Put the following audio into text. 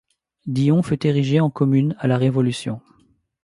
Dion fut érigée en commune à la Révolution.